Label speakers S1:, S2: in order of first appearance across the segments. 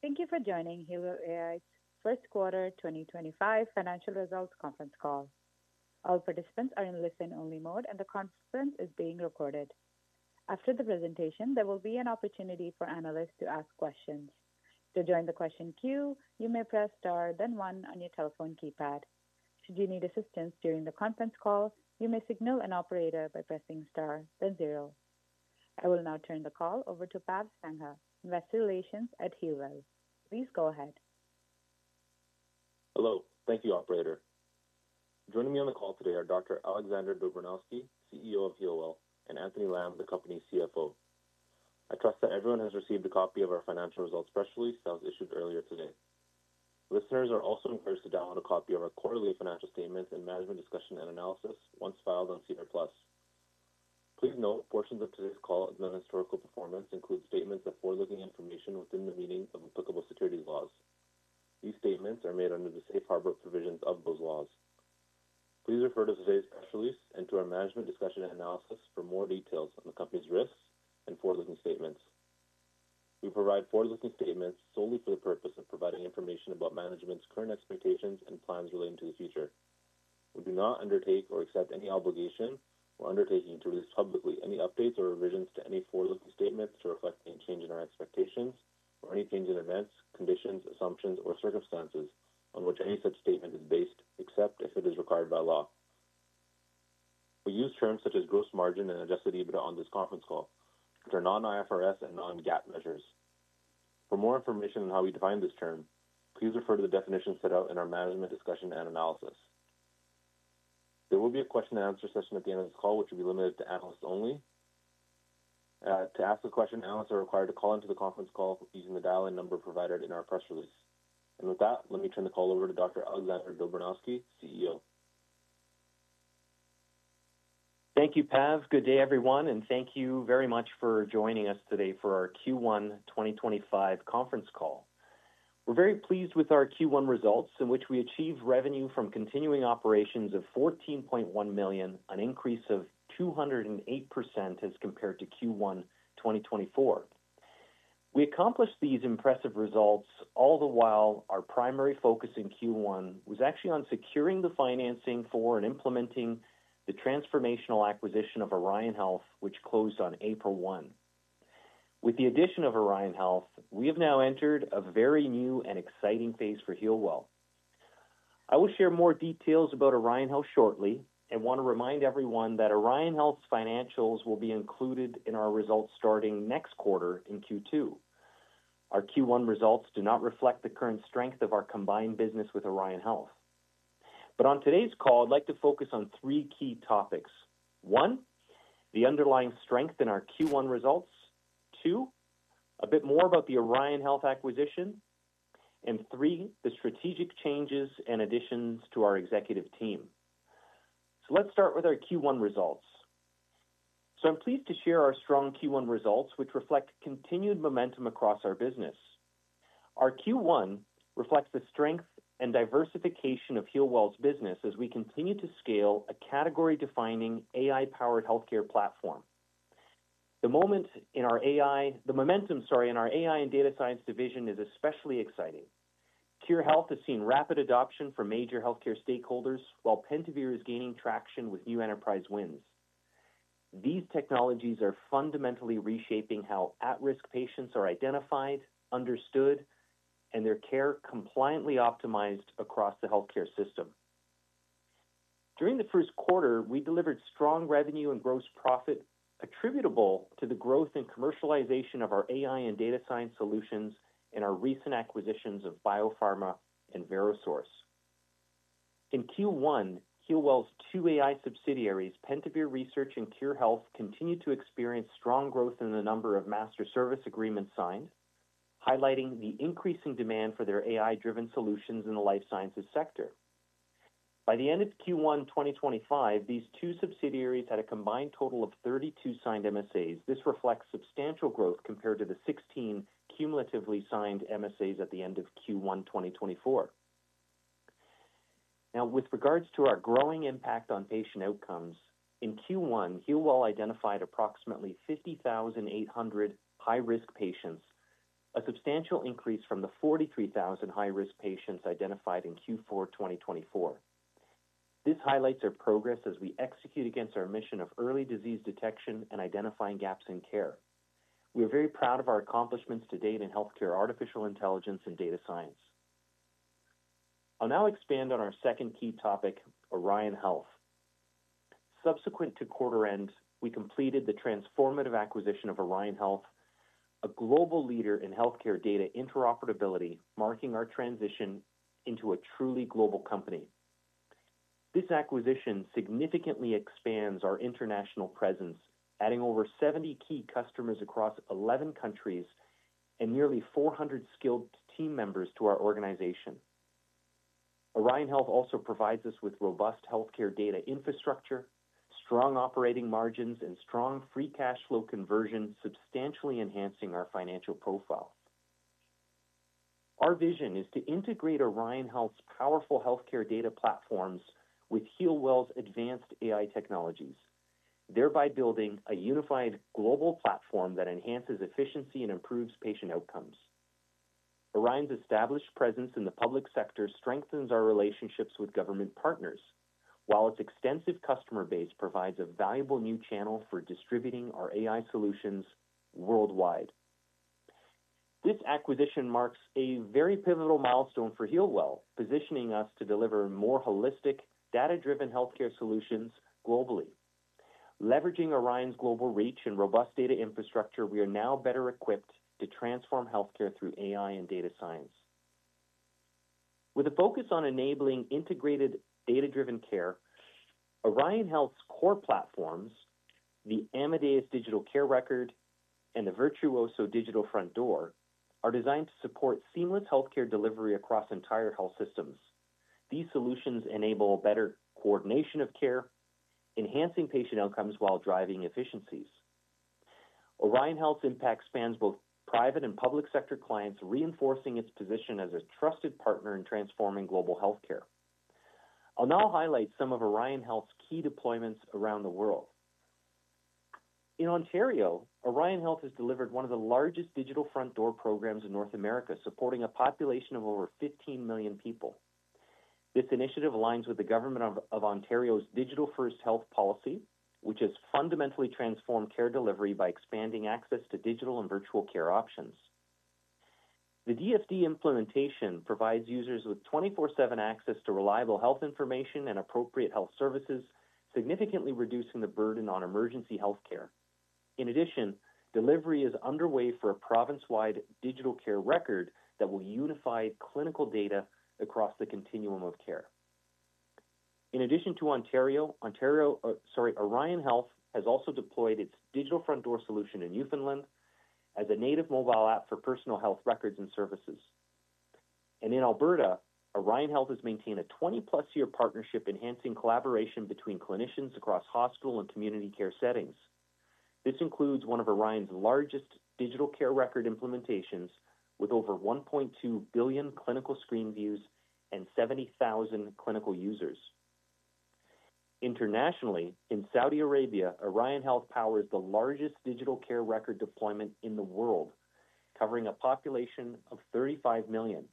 S1: Thank you for joining Healwell AI's first quarter 2025 financial results conference call. All participants are in listen-only mode, and the conference is being recorded. After the presentation, there will be an opportunity for analysts to ask questions. To join the question queue, you may press star, then one on your telephone keypad. Should you need assistance during the conference call, you may signal an operator by pressing star, then zero. I will now turn the call over to Pav Sangha, Investor Relation at Healwell. Please go ahead.
S2: Hello. Thank you, Operator. Joining me on the call today are Dr. Alexander Dobranowski, CEO of Healwell AI, and Anthony Lam, the company's CFO. I trust that everyone has received a copy of our financial results press release that was issued earlier today. Listeners are also encouraged to download a copy of our quarterly financial statements and management discussion and analysis once filed on SEDAR+. Please note portions of today's call, as known historical performance, include statements that are forward-looking information within the meaning of applicable securities laws. These statements are made under the safe harbor provisions of those laws. Please refer to today's press release and to our management discussion and analysis for more details on the company's risks and forward-looking statements. We provide forward-looking statements solely for the purpose of providing information about management's current expectations and plans relating to the future. We do not undertake or accept any obligation or undertaking to release publicly any updates or revisions to any forward-looking statements to reflect any change in our expectations or any change in events, conditions, assumptions, or circumstances on which any such statement is based, except if it is required by law. We use terms such as gross margin and adjusted EBITDA on this conference call, which are non-IFRS and non-GAAP measures. For more information on how we define this term, please refer to the definition set out in our management discussion and analysis. There will be a question-and-answer session at the end of this call, which will be limited to analysts only. To ask a question, analysts are required to call into the conference call using the dial-in number provided in our press release. With that, let me turn the call over to Dr. Alexander Dobranowski, CEO.
S3: Thank you, Pav. Good day, everyone, and thank you very much for joining us today for our Q1 2025 conference call. We're very pleased with our Q1 results, in which we achieved revenue from continuing operations of 14.1 million, an increase of 208% as compared to Q1 2024. We accomplished these impressive results all the while our primary focus in Q1 was actually on securing the financing for and implementing the transformational acquisition of Orion Health, which closed on April 1. With the addition of Orion Health, we have now entered a very new and exciting phase for Healwell. I will share more details about Orion Health shortly and want to remind everyone that Orion Health's financials will be included in our results starting next quarter in Q2. Our Q1 results do not reflect the current strength of our combined business with Orion Health. On today's call, I'd like to focus on three key topics: one, the underlying strength in our Q1 results; two, a bit more about the Orion Health acquisition; and three, the strategic changes and additions to our executive team. Let's start with our Q1 results. I'm pleased to share our strong Q1 results, which reflect continued momentum across our business. Our Q1 reflects the strength and diversification of Healwell AI's business as we continue to scale a category-defining AI-powered healthcare platform. The momentum in our AI and data science division is especially exciting. Cure Health has seen rapid adoption from major healthcare stakeholders, while Pentavere is gaining traction with new enterprise wins. These technologies are fundamentally reshaping how at-risk patients are identified, understood, and their care compliantly optimized across the healthcare system. During the first quarter, we delivered strong revenue and gross profit attributable to the growth and commercialization of our AI and data science solutions and our recent acquisitions of BioPharma Services and Verisource. In Q1, Healwell's two AI subsidiaries, Pentavere Research and Cure Health, continued to experience strong growth in the number of master service agreements signed, highlighting the increasing demand for their AI-driven solutions in the life sciences sector. By the end of Q1 2025, these two subsidiaries had a combined total of 32 signed MSAs. This reflects substantial growth compared to the 16 cumulatively signed MSAs at the end of Q1 2024. Now, with regards to our growing impact on patient outcomes, in Q1, Healwell identified approximately 50,800 high-risk patients, a substantial increase from the 43,000 high-risk patients identified in Q4 2024. This highlights our progress as we execute against our mission of early disease detection and identifying gaps in care. We are very proud of our accomplishments to date in healthcare artificial intelligence and data science. I'll now expand on our second key topic, Orion Health. Subsequent to quarter end, we completed the transformative acquisition of Orion Health, a global leader in healthcare data interoperability, marking our transition into a truly global company. This acquisition significantly expands our international presence, adding over 70-key customers across 11 countries and nearly 400 skilled team members to our organization. Orion Health also provides us with robust healthcare data infrastructure, strong operating margins, and strong free cash flow conversion, substantially enhancing our financial profile. Our vision is to integrate Orion Health's powerful healthcare data platforms with Healwell's advanced AI technologies, thereby building a unified global platform that enhances efficiency and improves patient outcomes. Orion's established presence in the public sector strengthens our relationships with government partners, while its extensive customer base provides a valuable new channel for distributing our AI solutions worldwide. This acquisition marks a very pivotal milestone for Healwell, positioning us to deliver more holistic, data-driven healthcare solutions globally. Leveraging Orion's global reach and robust data infrastructure, we are now better equipped to transform healthcare through AI and data science. With a focus on enabling integrated data-driven care, Orion Health's core platforms, the Amadeus Digital Care Record and the Virtuoso Digital Front Door, are designed to support seamless healthcare delivery across entire health systems. These solutions enable better coordination of care, enhancing patient outcomes while driving efficiencies. Orion Health's impact spans both private and public sector clients, reinforcing its position as a trusted partner in transforming global healthcare. I'll now highlight some of Orion Health's key deployments around the world. In Ontario, Orion Health has delivered one of the largest digital front door programs in North America, supporting a population of over 15 million people. This initiative aligns with the government of Ontario's digital-first health policy, which has fundamentally transformed care delivery by expanding access to digital and virtual care options. The DFD implementation provides users with 24/7 access to reliable health information and appropriate health services, significantly reducing the burden on emergency healthcare. In addition, delivery is underway for a province-wide digital care record that will unify clinical data across the continuum of care. In addition to Ontario, sorry, Orion Health has also deployed its digital front door solution in Newfoundland as a native mobile app for personal health records and services. In Alberta, Orion Health has maintained a 20+-year partnership, enhancing collaboration between clinicians across hospital and community care settings. This includes one of Orion Health's largest digital care record implementations, with over 1.2 billion clinical screen views and 70,000 clinical users. Internationally, in Saudi Arabia, Orion Health powers the largest digital care record deployment in the world, covering a population of 35 million.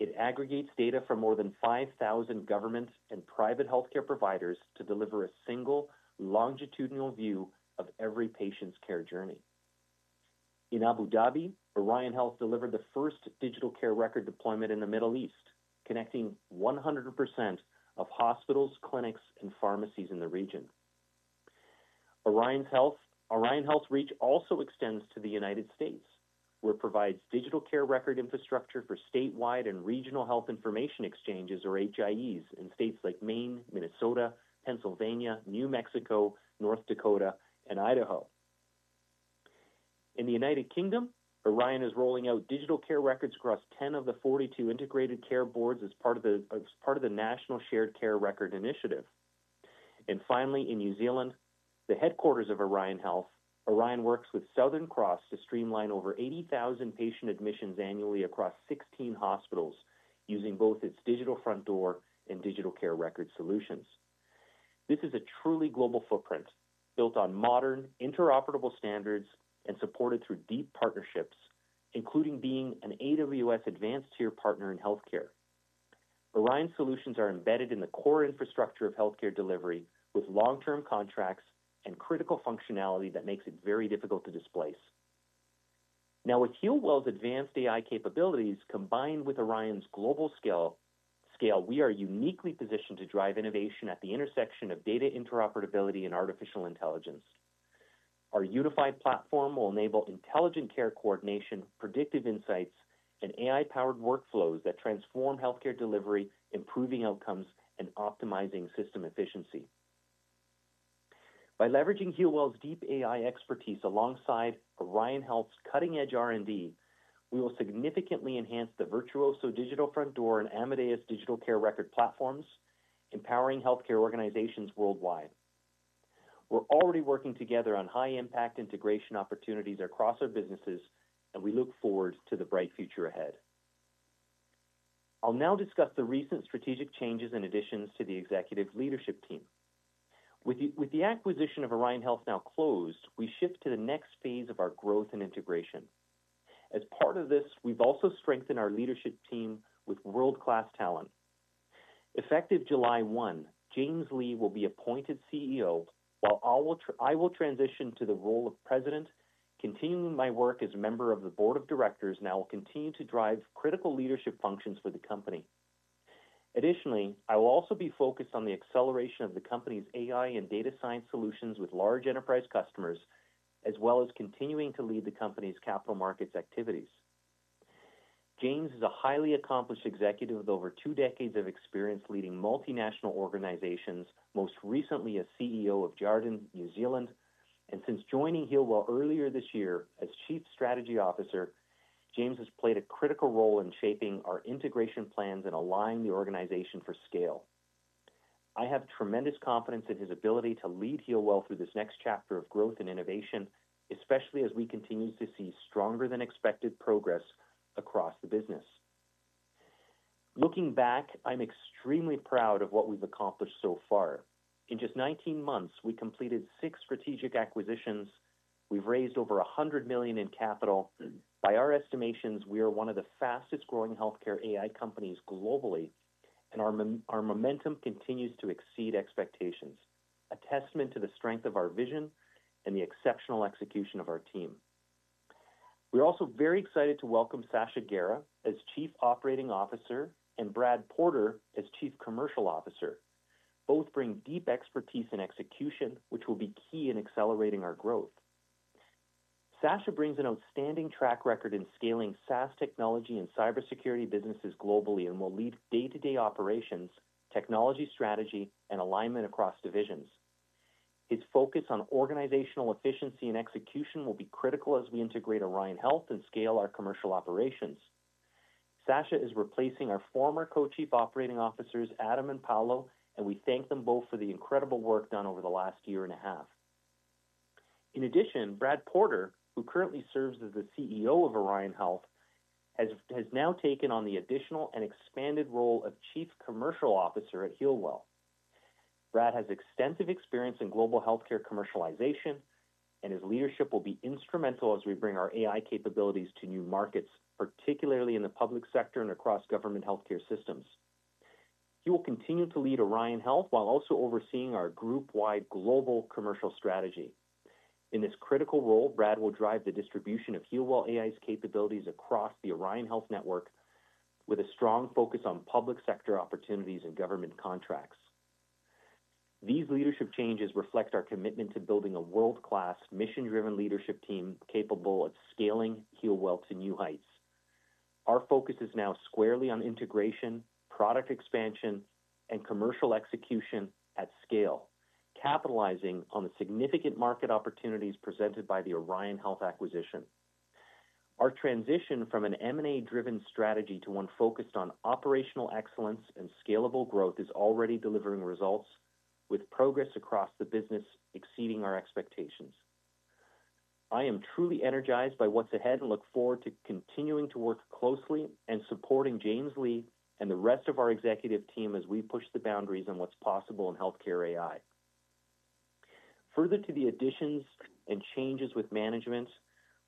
S3: It aggregates data from more than 5,000 government and private healthcare providers to deliver a single longitudinal view of every patient's care journey. In Abu Dhabi, Orion Health delivered the first digital care record deployment in the Middle East, connecting 100% of hospitals, clinics, and pharmacies in the region. Orion Health's reach also extends to the United States, where it provides digital care record infrastructure for statewide and regional health information exchanges, or HIEs, in states like Maine, Minnesota, Pennsylvania, New Mexico, North Dakota, and Idaho. In the United Kingdom, Orion is rolling out digital care records across 10 of the 42 integrated care boards as part of the national shared care record initiative. Finally, in New Zealand, the headquarters of Orion Health, Orion works with Southern Cross to streamline over 80,000 patient admissions annually across 16 hospitals using both its digital front door and digital care record solutions. This is a truly global footprint built on modern interoperable standards and supported through deep partnerships, including being an AWS advanced tier partner in healthcare. Orion's solutions are embedded in the core infrastructure of healthcare delivery with long-term contracts and critical functionality that makes it very difficult to displace. Now, with Healwell's advanced AI capabilities combined with Orion's global scale, we are uniquely positioned to drive innovation at the intersection of data interoperability and artificial intelligence. Our unified platform will enable intelligent care coordination, predictive insights, and AI-powered workflows that transform healthcare delivery, improving outcomes and optimizing system efficiency. By leveraging Healwell's deep AI expertise alongside Orion Health's cutting-edge R&D, we will significantly enhance the Virtuoso Digital Front Door and Amadeus Digital Care Record platforms, empowering healthcare organizations worldwide. We're already working together on high-impact integration opportunities across our businesses, and we look forward to the bright future ahead. I'll now discuss the recent strategic changes and additions to the executive leadership team. With the acquisition of Orion Health now closed, we shift to the next phase of our growth and integration. As part of this, we've also strengthened our leadership team with world-class talent. Effective July 1, James Lee will be appointed CEO, while I will transition to the role of President, continuing my work as a member of the board of directors, and I will continue to drive critical leadership functions for the company. Additionally, I will also be focused on the acceleration of the company's AI and data science solutions with large enterprise customers, as well as continuing to lead the company's capital markets activities. James is a highly accomplished executive with over two decades of experience leading multinational organizations, most recently as CEO of Jarden New Zealand, and since joining Healwell earlier this year as Chief Strategy Officer, James has played a critical role in shaping our integration plans and aligning the organization for scale. I have tremendous confidence in his ability to lead Healwell through this next chapter of growth and innovation, especially as we continue to see stronger-than-expected progress across the business. Looking back, I'm extremely proud of what we've accomplished so far. In just 19 months, we completed six strategic acquisitions. We've raised over 100 million in capital. By our estimations, we are one of the fastest-growing healthcare AI companies globally, and our momentum continues to exceed expectations, a testament to the strength of our vision and the exceptional execution of our team. We're also very excited to welcome Sasha Gurzhiev as Chief Operating Officer and Brad Porter as Chief Commercial Officer. Both bring deep expertise and execution, which will be key in accelerating our growth. Sasha brings an outstanding track record in scaling SaaS technology and cybersecurity businesses globally and will lead day-to-day operations, technology strategy, and alignment across divisions. His focus on organizational efficiency and execution will be critical as we integrate Orion Health and scale our commercial operations. Sasha is replacing our former co-Chief Operating Officers, Adam and Paolo, and we thank them both for the incredible work done over the last year and a half. In addition, Brad Porter, who currently serves as the CEO of Orion Health, has now taken on the additional and expanded role of Chief Commercial Officer at Healwell. Brad has extensive experience in global healthcare commercialization, and his leadership will be instrumental as we bring our AI capabilities to new markets, particularly in the public sector and across government healthcare systems. He will continue to lead Orion Health while also overseeing our group-wide global commercial strategy. In this critical role, Brad will drive the distribution of Healwell AI's capabilities across the Orion Health network with a strong focus on public sector opportunities and government contracts. These leadership changes reflect our commitment to building a world-class, mission-driven leadership team capable of scaling Healwell to new heights. Our focus is now squarely on integration, product expansion, and commercial execution at scale, capitalizing on the significant market opportunities presented by the Orion Health acquisition. Our transition from an M&A-driven strategy to one focused on operational excellence and scalable growth is already delivering results, with progress across the business exceeding our expectations. I am truly energized by what's ahead and look forward to continuing to work closely and supporting James Lee and the rest of our executive team as we push the boundaries on what's possible in healthcare AI. Further to the additions and changes with management,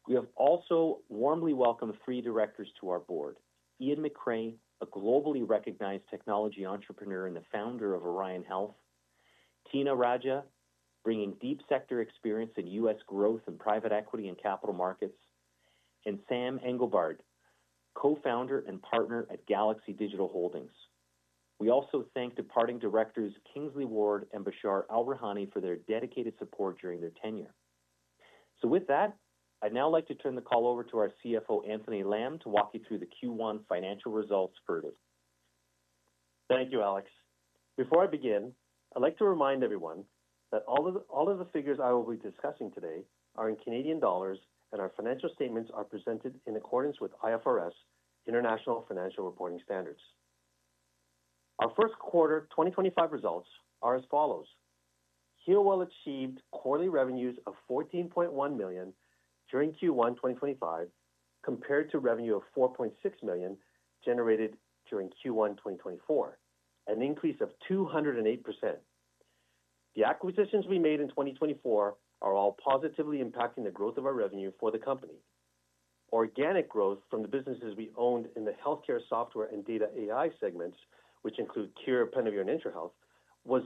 S3: we have also warmly welcomed three directors to our board: Ian McCray, a globally recognized technology entrepreneur and the founder of Orion Health; Tina Raja, bringing deep sector experience in U.S. growth and private equity and capital markets; and Sam Engelbart, co-founder and partner at Galaxy Digital Holdings. We also thank departing directors Kingsley Ward and Bashar Al-Rahani for their dedicated support during their tenure. With that, I'd now like to turn the call over to our CFO, Anthony Lam, to walk you through the Q1 financial results further.
S4: Thank you, Alex. Before I begin, I'd like to remind everyone that all of the figures I will be discussing today are in CAD, and our financial statements are presented in accordance with IFRS International Financial Reporting Standards. Our first quarter 2025 results are as follows: Healwell achieved quarterly revenues of 14.1 million during Q1 2025, compared to revenue of 4.6 million generated during Q1 2024, an increase of 208%. The acquisitions we made in 2024 are all positively impacting the growth of our revenue for the company. Organic growth from the businesses we owned in the healthcare software and data AI segments, which include Cure, Pentavere, and IntraHealth, was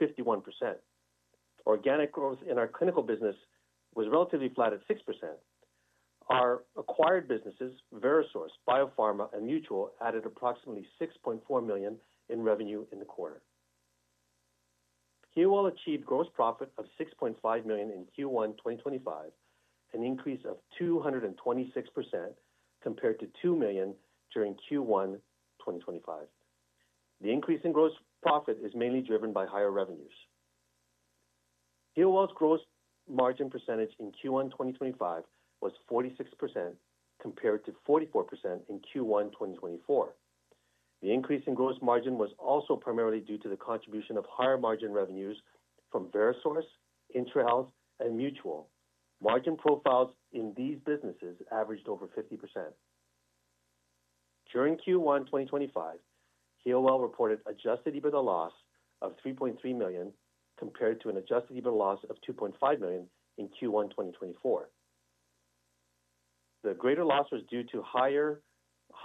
S4: 51%. Organic growth in our clinical business was relatively flat at 6%. Our acquired businesses, Verisource, BioPharma, and MedChart, added approximately 6.4 million in revenue in the quarter. Healwell achieved gross profit of 6.5 million in Q1 2025, an increase of 226%, compared to 2 million during Q1 2024. The increase in gross profit is mainly driven by higher revenues. Healwell's gross margin percentage in Q1 2025 was 46%, compared to 44% in Q1 2024. The increase in gross margin was also primarily due to the contribution of higher margin revenues from Verisource, IntraHealth, and Mutuo. Margin profiles in these businesses averaged over 50%. During Q1 2025, Healwell reported adjusted EBITDA loss of 3.3 million, compared to an adjusted EBITDA loss of 2.5 million in Q1 2024. The greater loss was due to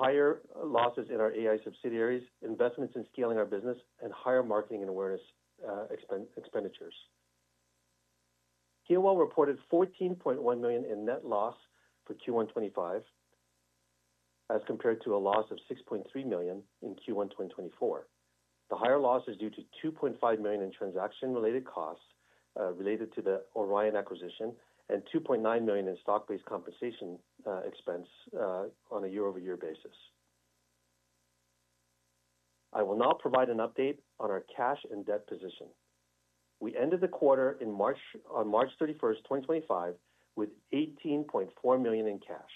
S4: higher losses in our AI subsidiaries, investments in scaling our business, and higher marketing and awareness expenditures. Healwell reported 14.1 million in net loss for Q1 2025, as compared to a loss of 6.3 million in Q1 2024. The higher loss is due to 2.5 million in transaction-related costs related to the Orion Health acquisition and 2.9 million in stock-based compensation expense on a year-over-year basis. I will now provide an update on our cash and debt position. We ended the quarter on March 31st, 2025, with 18.4 million in cash,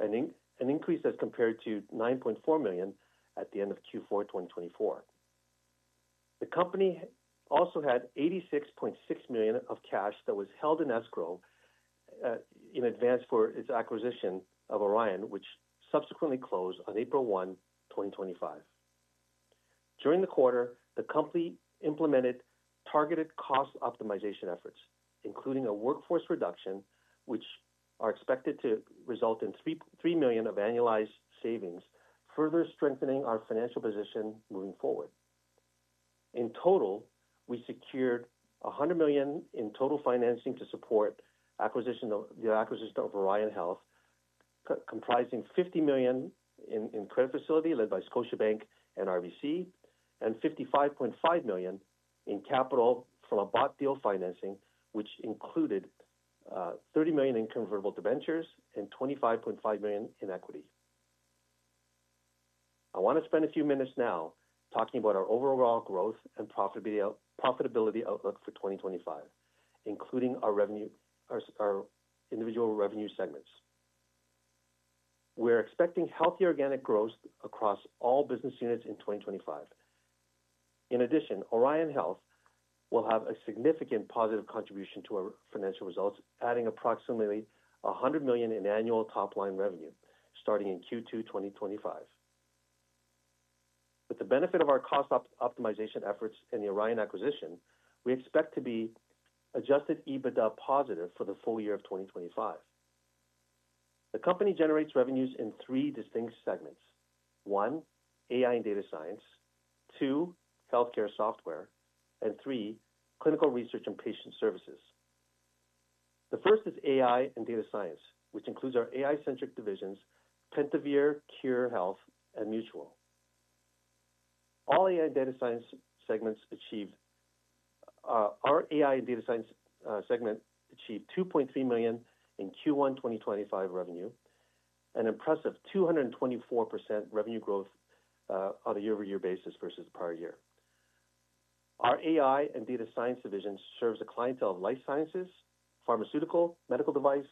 S4: an increase as compared to 9.4 million at the end of Q4 2024. The company also had 86.6 million of cash that was held in escrow in advance for its acquisition of Orion Health, which subsequently closed on April 1, 2025. During the quarter, the company implemented targeted cost optimization efforts, including a workforce reduction, which are expected to result in 3 million of annualized savings, further strengthening our financial position moving forward. In total, we secured 100 million in total financing to support the acquisition of Orion Health, comprising 50 million in credit facility led by Scotiabank and RBC, and 55.5 million in capital from a bought deal financing, which included 30 million in convertible debentures and 25.5 million in equity. I want to spend a few minutes now talking about our overall growth and profitability outlook for 2025, including our individual revenue segments. We're expecting healthy organic growth across all business units in 2025. In addition, Orion Health will have a significant positive contribution to our financial results, adding approximately 100 million in annual top-line revenue starting in Q2 2025. With the benefit of our cost optimization efforts in the Orion acquisition, we expect to be adjusted EBITDA positive for the full year of 2025. The company generates revenues in three distinct segments: one, AI and data science; two, healthcare software; and three, clinical research and patient services. The first is AI and data science, which includes our AI-centric divisions, Pentavere, Cure Health, and Mutuo. All AI and data science segments achieved our AI and data science segment achieved 2.3 million in Q1 2025 revenue, an impressive 224% revenue growth on a year-over-year basis versus the prior year. Our AI and data science division serves a clientele of life sciences, pharmaceutical, medical device,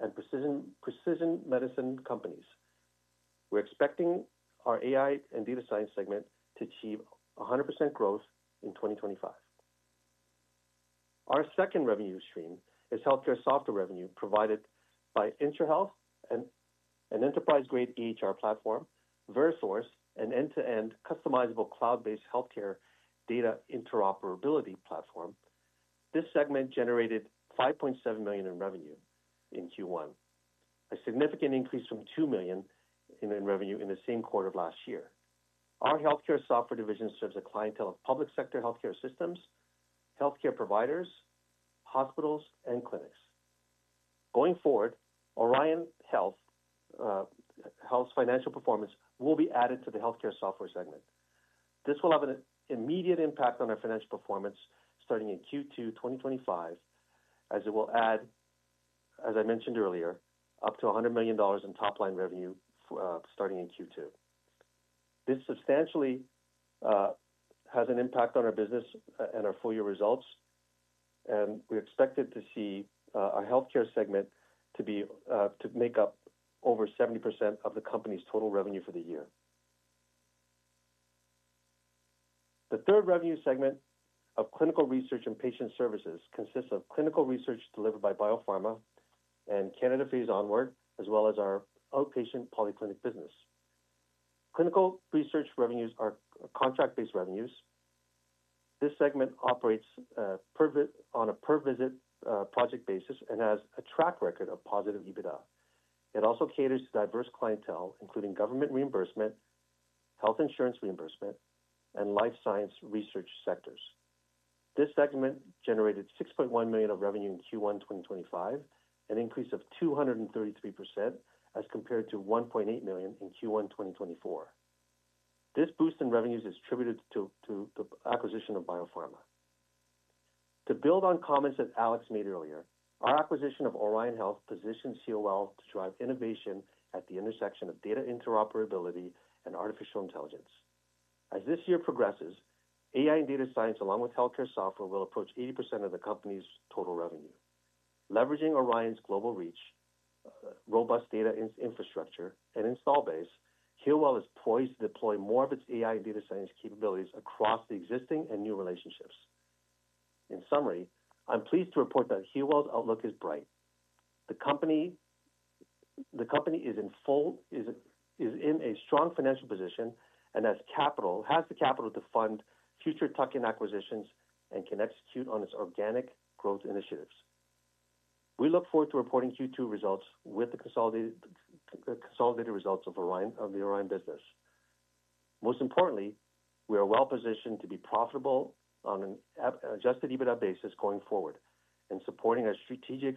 S4: and precision medicine companies. We're expecting our AI and data science segment to achieve 100% growth in 2025. Our second revenue stream is healthcare software revenue provided by IntraHealth, an enterprise-grade EHR platform, Verisource, an end-to-end customizable cloud-based healthcare data interoperability platform. This segment generated 5.7 million in revenue in Q1, a significant increase from 2 million in revenue in the same quarter of last year. Our healthcare software division serves a clientele of public sector healthcare systems, healthcare providers, hospitals, and clinics. Going forward, Orion Health's financial performance will be added to the healthcare software segment. This will have an immediate impact on our financial performance starting in Q2 2025, as it will add, as I mentioned earlier, up to 100 million dollars in top-line revenue starting in Q2. This substantially has an impact on our business and our full year results, and we expect to see our healthcare segment to make up over 70% of the company's total revenue for the year. The third revenue segment of clinical research and patient services consists of clinical research delivered by Biopharma and Canada Phase Onward, as well as our outpatient polyclinic business. Clinical research revenues are contract-based revenues. This segment operates on a per-visit project basis and has a track record of positive EBITDA. It also caters to diverse clientele, including government reimbursement, health insurance reimbursement, and life science research sectors. This segment generated 6.1 million of revenue in Q1 2025, an increase of 233%, as compared to 1.8 million in Q1 2024. This boost in revenues is attributed to the acquisition of Biopharma Services. To build on comments that Alex made earlier, our acquisition of Orion Health positions Healwell AI to drive innovation at the intersection of data interoperability and artificial intelligence. As this year progresses, AI and data science, along with healthcare software, will approach 80% of the company's total revenue. Leveraging Orion Health's global reach, robust data infrastructure, and install base, Healwell AI is poised to deploy more of its AI and data science capabilities across the existing and new relationships. In summary, I'm pleased to report that Healwell AI's outlook is bright. The company is in a strong financial position and has the capital to fund future tuck-in acquisitions and can execute on its organic growth initiatives. We look forward to reporting Q2 results with the consolidated results of the Orion Health business. Most importantly, we are well-positioned to be profitable on an adjusted EBITDA basis going forward and supporting our strategic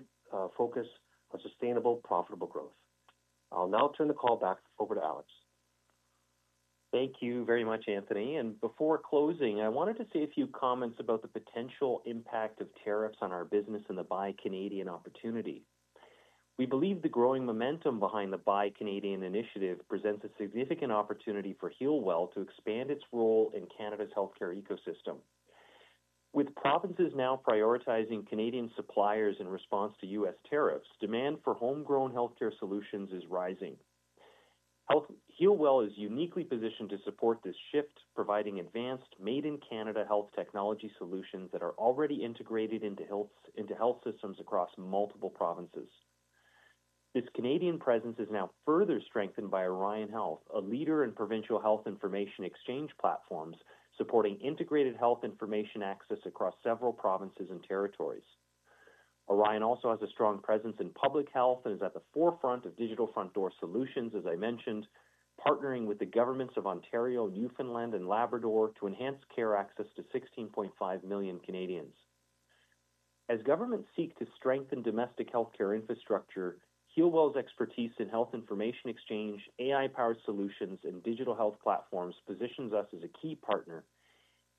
S4: focus on sustainable, profitable growth. I will now turn the call back over to Alex.
S3: Thank you very much, Anthony. Before closing, I wanted to say a few comments about the potential impact of tariffs on our business and the Buy Canadian opportunity. We believe the growing momentum behind the Buy Canadian initiative presents a significant opportunity for Healwell AI to expand its role in Canada's healthcare ecosystem. With provinces now prioritizing Canadian suppliers in response to U.S. tariffs, demand for homegrown healthcare solutions is rising. Healwell is uniquely positioned to support this shift, providing advanced, made-in-Canada health technology solutions that are already integrated into health systems across multiple provinces. This Canadian presence is now further strengthened by Orion Health, a leader in provincial health information exchange platforms, supporting integrated health information access across several provinces and territories. Orion also has a strong presence in public health and is at the forefront of digital front-door solutions, as I mentioned, partnering with the governments of Ontario, Newfoundland and Labrador to enhance care access to 16.5 million Canadians. As governments seek to strengthen domestic healthcare infrastructure, Healwell's expertise in health information exchange, AI-powered solutions, and digital health platforms positions us as a key partner.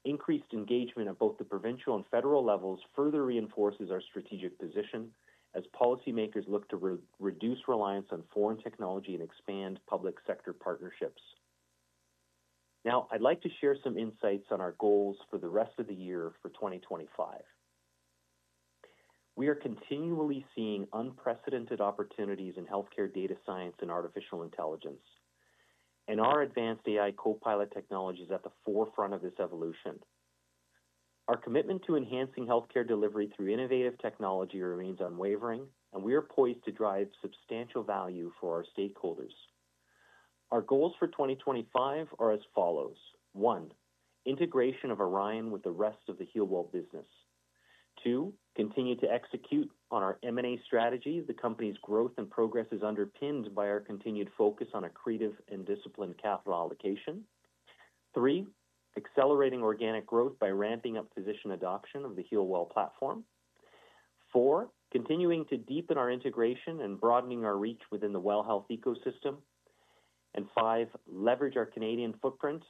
S3: Increased engagement at both the provincial and federal levels further reinforces our strategic position as policymakers look to reduce reliance on foreign technology and expand public sector partnerships. Now, I'd like to share some insights on our goals for the rest of the year for 2025. We are continually seeing unprecedented opportunities in healthcare data science and artificial intelligence, and our advanced AI copilot technology is at the forefront of this evolution. Our commitment to enhancing healthcare delivery through innovative technology remains unwavering, and we are poised to drive substantial value for our stakeholders. Our goals for 2025 are as follows: one, integration of Orion Health with the rest of the Healwell AI business; two, continue to execute on our M&A strategy. The company's growth and progress is underpinned by our continued focus on accretive and disciplined capital allocation; three, accelerating organic growth by ramping up physician adoption of the Healwell AI platform; four, continuing to deepen our integration and broadening our reach within the WELL Health ecosystem; and five, leverage our Canadian footprint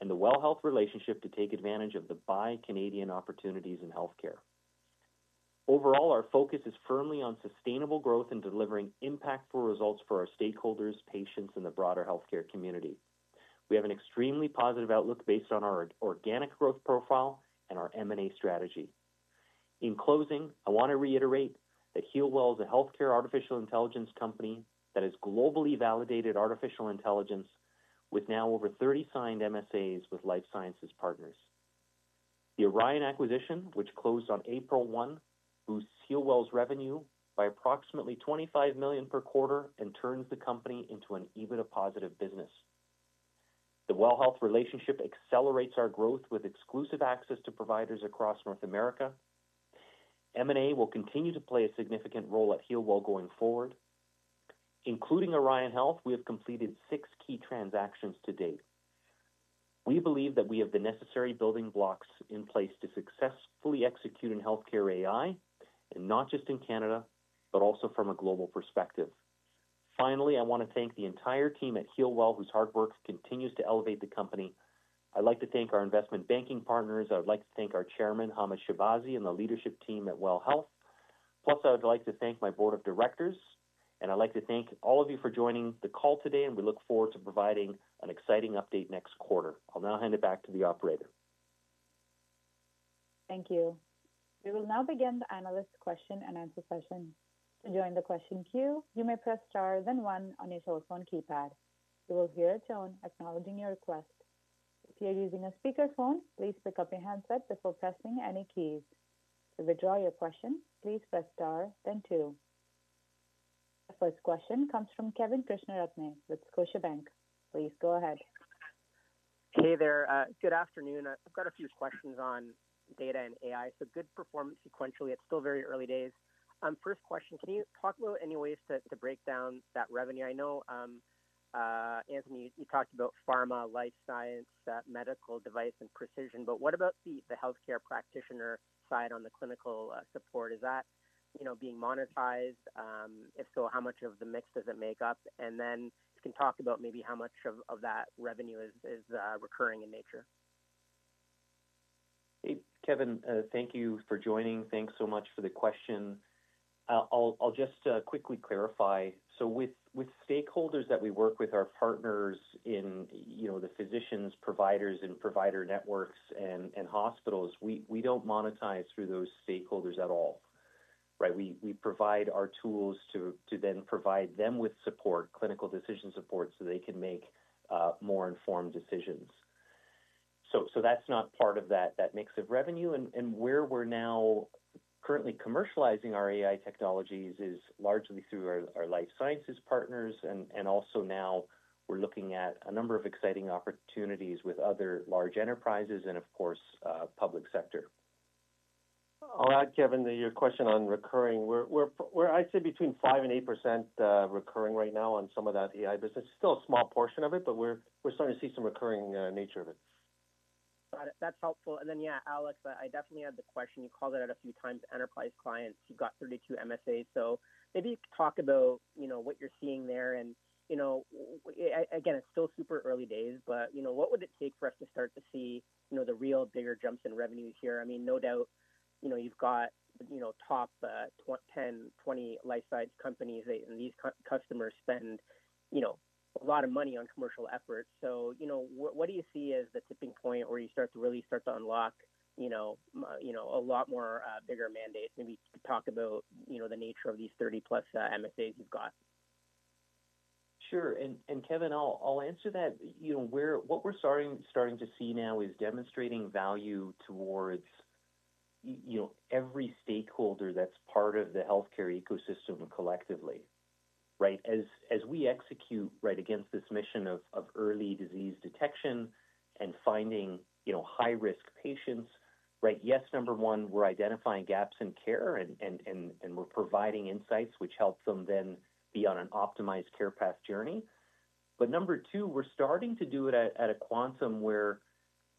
S3: and the WELL Health relationship to take advantage of the Buy Canadian opportunities in healthcare. Overall, our focus is firmly on sustainable growth and delivering impactful results for our stakeholders, patients, and the broader healthcare community. We have an extremely positive outlook based on our organic growth profile and our M&A strategy. In closing, I want to reiterate that Healwell is a healthcare artificial intelligence company that has globally validated artificial intelligence, with now over 30 signed MSAs with life sciences partners. The Orion acquisition, which closed on April 1, boosts Healwell's revenue by approximately 25 million per quarter and turns the company into an EBITDA positive business. The WELL Health relationship accelerates our growth with exclusive access to providers across North America. M&A will continue to play a significant role at Healwell going forward. Including Orion Health, we have completed six key transactions to date. We believe that we have the necessary building blocks in place to successfully execute in healthcare AI, and not just in Canada, but also from a global perspective. Finally, I want to thank the entire team at Healwell, whose hard work continues to elevate the company. I'd like to thank our investment banking partners. I would like to thank our Chairman, Hamid Shabazi, and the leadership team at WELL Health. Plus, I would like to thank my board of directors, and I'd like to thank all of you for joining the call today, and we look forward to providing an exciting update next quarter. I'll now hand it back to the operator.
S1: Thank you. We will now begin the analyst question and answer session. To join the question queue, you may press star, then one on your telephone keypad. You will hear a tone acknowledging your request. If you're using a speakerphone, please pick up your handset before pressing any keys. To withdraw your question, please press star, then two. The first question comes from Kevin Krishnaratne with Scotiabank. Please go ahead.
S5: Hey there. Good afternoon. I've got a few questions on data and AI. So good performance sequentially. It's still very early days. First question, can you talk about any ways to break down that revenue? I know, Anthony, you talked about pharma, life science, medical device, and precision, but what about the healthcare practitioner side on the clinical support? Is that being monetized? If so, how much of the mix does it make up? And then you can talk about maybe how much of that revenue is recurring in nature.
S4: Hey, Kevin, thank you for joining. Thanks so much for the question. I'll just quickly clarify. With stakeholders that we work with, our partners in the physicians, providers, and provider networks and hospitals, we do not monetize through those stakeholders at all. We provide our tools to then provide them with support, clinical decision support, so they can make more informed decisions. That is not part of that mix of revenue. Where we are now currently commercializing our AI technologies is largely through our life sciences partners. Also now we are looking at a number of exciting opportunities with other large enterprises and, of course, public sector. I will add, Kevin, to your question on recurring. We are, I would say, between 5% and 8% recurring right now on some of that AI business. It is still a small portion of it, but we are starting to see some recurring nature of it.
S5: Got it. That is helpful. Then, yeah, Alex, I definitely had the question. You called it out a few times, enterprise clients. You've got 32 MSAs. Maybe talk about what you're seeing there. Again, it's still super early days, but what would it take for us to start to see the real bigger jumps in revenue here? I mean, no doubt you've got the top 10, 20 life science companies, and these customers spend a lot of money on commercial efforts. What do you see as the tipping point where you really start to unlock a lot more bigger mandate? Maybe talk about the nature of these 30+ MSAs you've got.
S3: Sure. Kevin, I'll answer that. What we're starting to see now is demonstrating value towards every stakeholder that's part of the healthcare ecosystem collectively. As we execute against this mission of early disease detection and finding high-risk patients, yes, number one, we're identifying gaps in care, and we're providing insights, which helps them then be on an optimized care path journey. Number two, we're starting to do it at a quantum where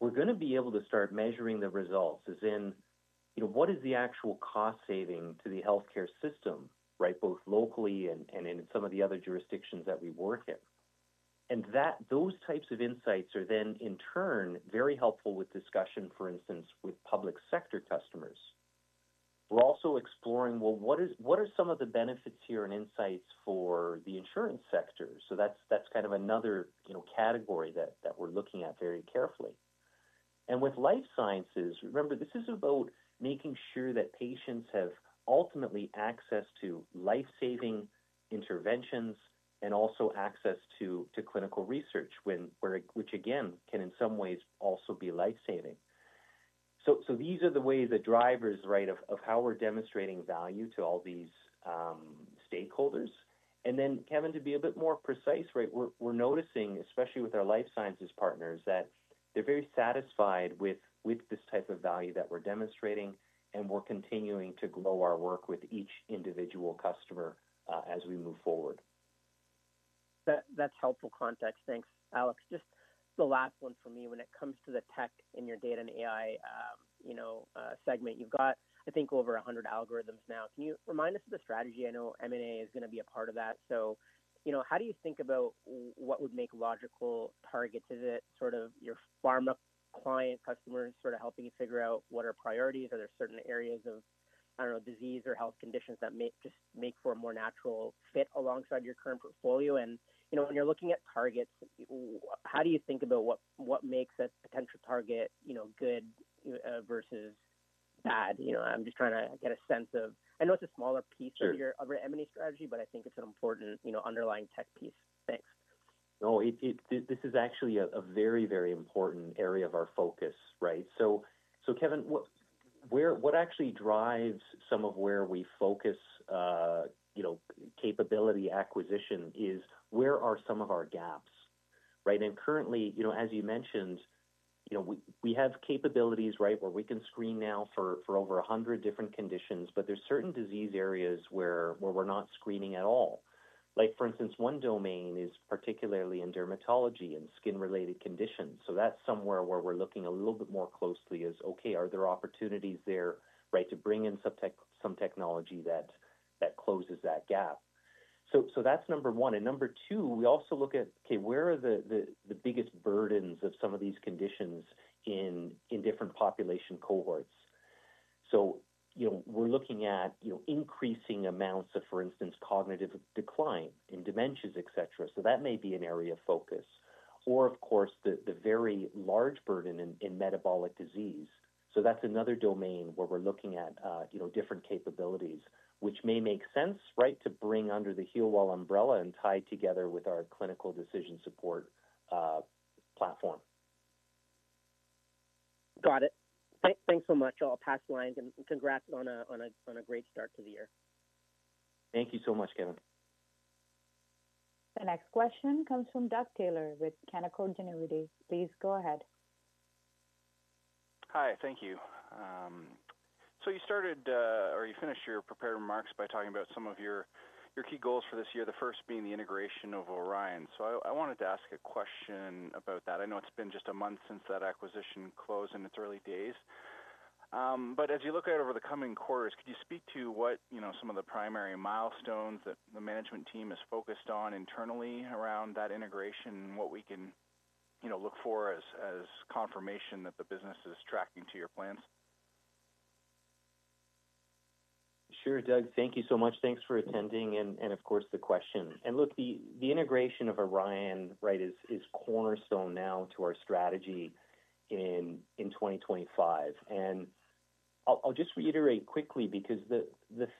S3: we're going to be able to start measuring the results, as in what is the actual cost saving to the healthcare system, both locally and in some of the other jurisdictions that we work in. Those types of insights are then, in turn, very helpful with discussion, for instance, with public sector customers. We're also exploring, well, what are some of the benefits here and insights for the insurance sector? That's kind of another category that we're looking at very carefully. With life sciences, remember, this is about making sure that patients have ultimately access to life-saving interventions and also access to clinical research, which, again, can in some ways also be life-saving. These are the ways, the drivers of how we're demonstrating value to all these stakeholders. Kevin, to be a bit more precise, we're noticing, especially with our life sciences partners, that they're very satisfied with this type of value that we're demonstrating, and we're continuing to grow our work with each individual customer as we move forward.
S5: That's helpful context. Thanks. Alex, just the last one for me. When it comes to the tech in your data and AI segment, you've got, I think, over 100 algorithms now. Can you remind us of the strategy? I know M&A is going to be a part of that. How do you think about what would make logical targets? Is it sort of your pharma client customers helping you figure out what are priorities? Are there certain areas of, I do not know, disease or health conditions that just make for a more natural fit alongside your current portfolio? When you are looking at targets, how do you think about what makes a potential target good versus bad? I am just trying to get a sense of, I know it is a smaller piece of your M&A strategy, but I think it is an important underlying tech piece. Thanks.
S3: No, this is actually a very, very important area of our focus. Kevin, what actually drives some of where we focus capability acquisition is where are some of our gaps? Currently, as you mentioned, we have capabilities where we can screen now for over 100 different conditions, but there are certain disease areas where we're not screening at all. For instance, one domain is particularly in dermatology and skin-related conditions. That is somewhere where we're looking a little bit more closely as, okay, are there opportunities there to bring in some technology that closes that gap? That is number one. Number two, we also look at, okay, where are the biggest burdens of some of these conditions in different population cohorts? We're looking at increasing amounts of, for instance, cognitive decline in dementias, etc. That may be an area of focus. Of course, the very large burden in metabolic disease. That is another domain where we are looking at different capabilities, which may make sense to bring under the Healwell umbrella and tie together with our clinical decision support platform.
S5: Got it. Thanks so much. I will pass the line and congrats on a great start to the year.
S3: Thank you so much, Kevin.
S1: The next question comes from Doug Taylor with Canaccord Genuity. Please go ahead.
S6: Hi, thank you. You started or you finished your prepared remarks by talking about some of your key goals for this year, the first being the integration of Orion. I wanted to ask a question about that. I know it has been just a month since that acquisition closed in its early days. As you look at over the coming quarters, could you speak to what some of the primary milestones that the management team is focused on internally around that integration and what we can look for as confirmation that the business is tracking to your plans?
S3: Sure, Doug. Thank you so much. Thanks for attending and, of course, the question. Look, the integration of Orion is cornerstone now to our strategy in 2025. I'll just reiterate quickly because the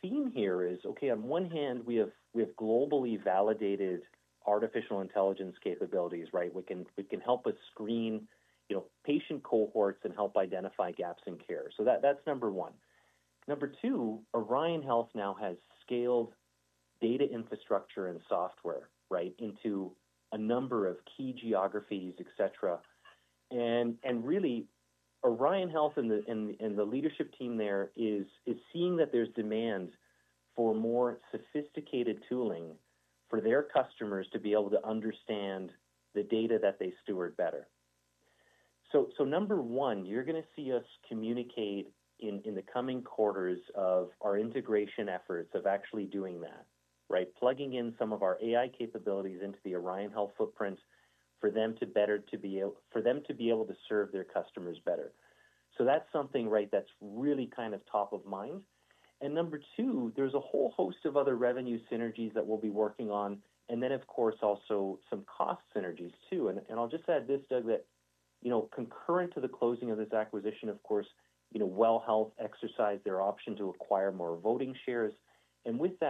S3: theme here is, okay, on one hand, we have globally validated artificial intelligence capabilities. We can help us screen patient cohorts and help identify gaps in care. That's number one. Number two, Orion Health now has scaled data infrastructure and software into a number of key geographies, etc. Orion Health and the leadership team there is seeing that there is demand for more sophisticated tooling for their customers to be able to understand the data that they steward better. Number one, you are going to see us communicate in the coming quarters of our integration efforts of actually doing that, plugging in some of our AI capabilities into the Orion Health footprint for them to be able to serve their customers better. That is something that is really kind of top of mind. Number two, there is a whole host of other revenue synergies that we will be working on. Of course, also some cost synergies too. I will just add this, Doug, that concurrent to the closing of this acquisition, of course, WELL Health exercised their option to acquire more voting shares.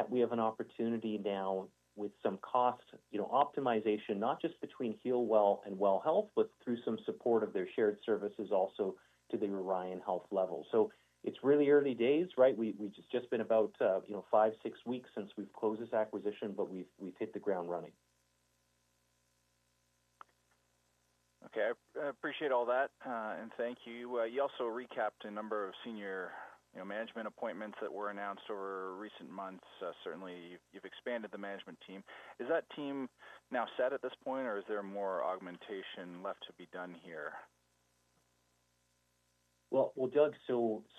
S3: We have an opportunity now with some cost optimization, not just between Healwell and WELL Health, but through some support of their shared services also to the Orion Health level. It is really early days. We have just been about five or six weeks since we closed this acquisition, but we have hit the ground running.
S7: I appreciate all that. Thank you. You also recapped a number of senior management appointments that were announced over recent months. Certainly, you have expanded the management team. Is that team now set at this point, or is there more augmentation left to be done here?
S3: Doug,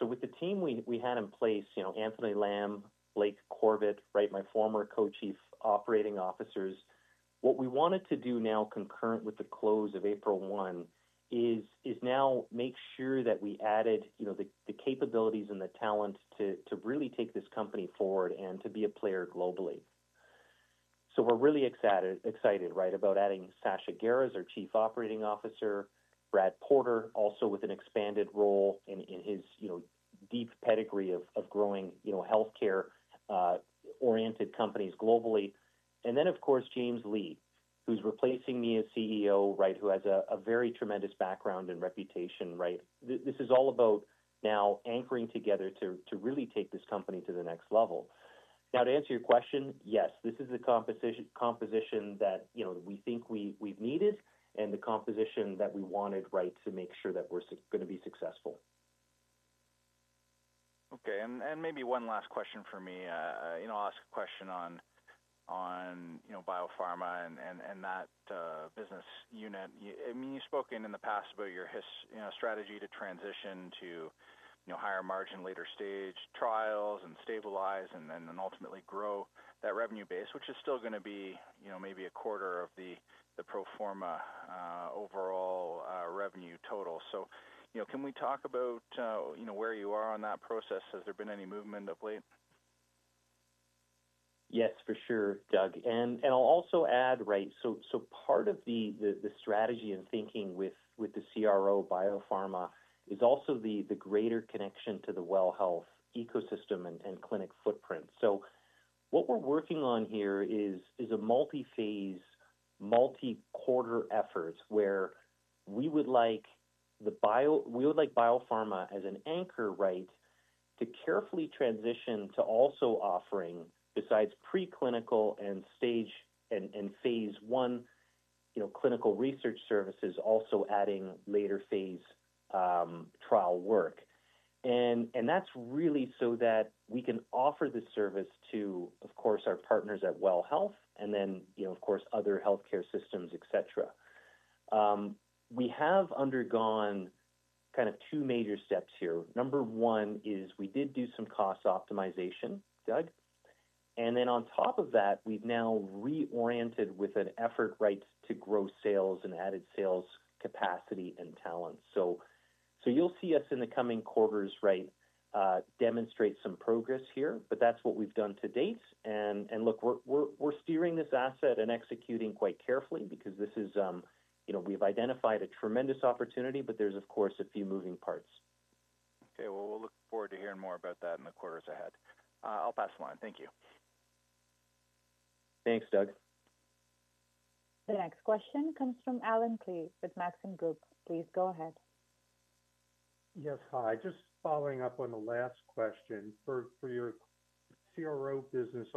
S3: with the team we had in place, Anthony Lam, Blake Corbett, my former co-Chief Operating Officers, what we wanted to do now concurrent with the close of April 1 is now make sure that we added the capabilities and the talent to really take this company forward and to be a player globally. We are really excited about adding Sasha Gurzhiev, our Chief Operating Officer, Brad Porter, also with an expanded role and his deep pedigree of growing healthcare-oriented companies globally. Of course, James Lee, who is replacing me as CEO, has a very tremendous background and reputation. This is all about now anchoring together to really take this company to the next level. To answer your question, yes, this is the composition that we think we have needed and the composition that we wanted to make sure that we are going to be successful.
S7: Okay. Maybe one last question for me. I'll ask a question on BioPharma and that business unit. I mean, you've spoken in the past about your strategy to transition to higher margin, later stage trials, and stabilize, and then ultimately grow that revenue base, which is still going to be maybe a quarter of the pro forma overall revenue total. Can we talk about where you are on that process? Has there been any movement of late?
S3: Yes, for sure, Doug. I'll also add, part of the strategy and thinking with the CRO BioPharma is also the greater connection to the WELL Health ecosystem and clinic footprint. What we're working on here is a multi-phase, multi-quarter effort where we would like BioPharma as an anchor to carefully transition to also offering, besides preclinical and phase I clinical research services, also adding later phase trial work. That is really so that we can offer the service to, of course, our partners at WELL Health and then, of course, other healthcare systems, etc. We have undergone two major steps here. Number one is we did do some cost optimization, Doug. On top of that, we've now reoriented with an effort to grow sales and added sales capacity and talent. You'll see us in the coming quarters demonstrate some progress here, but that's what we've done to date. Look, we're steering this asset and executing quite carefully because we've identified a tremendous opportunity, but there are, of course, a few moving parts.
S7: Okay. We'll look forward to hearing more about that in the quarters ahead. I'll pass the line. Thank you.
S3: Thanks, Doug.
S1: The next question comes from Alan Cleve with Maxim Group. Please go ahead.
S8: Yes. Hi. Just following up on the last question. For your CRO business,